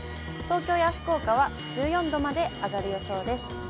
東京や福岡は１４度まで上がる予想です。